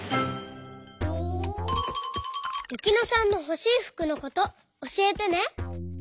ゆきのさんのほしいふくのことおしえてね。